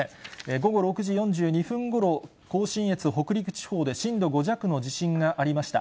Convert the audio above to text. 午後６時４２分ごろ、甲信越、北陸地方で震度５弱の地震がありました。